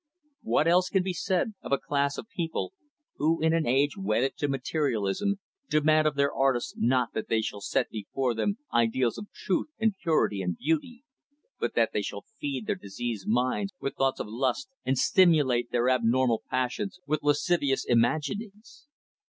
What else can be said of a class of people who, in an age wedded to materialism, demand of their artists not that they shall set before them ideals of truth and purity and beauty, but that they shall feed their diseased minds with thoughts of lust and stimulate their abnormal passions with lascivious imaginings?